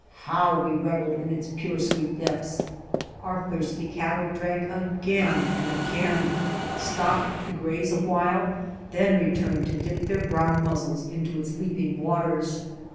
How we reveled in its pure, sweet depths. Our thirsty cat tle drank again and again, stopped to graze a while, then returned to dip their brown muzzles into its leaping waters.